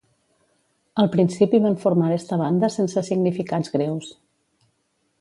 Al principi van formar esta banda sense significats greus.